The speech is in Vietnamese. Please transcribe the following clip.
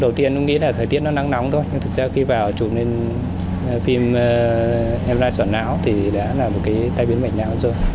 đầu tiên nó nghĩ là thời tiết nó nắng nóng thôi nhưng thực ra khi vào chụp lên phim em lai sỏ não thì đã là một cái tai biến mệnh não rồi